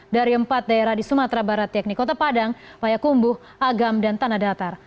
dari empat daerah di sumatera barat yakni kota padang payakumbuh agam dan tanah datar